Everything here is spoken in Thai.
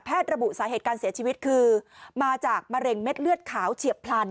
ระบุสาเหตุการเสียชีวิตคือมาจากมะเร็งเม็ดเลือดขาวเฉียบพลัน